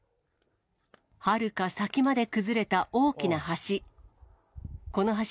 はるか先まで崩れた大きな橋。